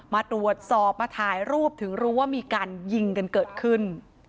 มาตรวจสอบมาถ่ายรูปถึงรู้ว่ามีการยิงกันเกิดขึ้น